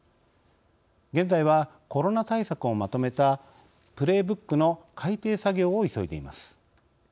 現在はコロナ対策をまとめたプレーブックの改定作業を急いでいます。